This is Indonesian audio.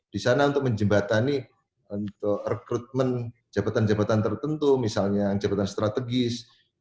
di sana untuk menjembatani untuk rekrutmen jabatan jabatan tertentu misalnya jabatan strategis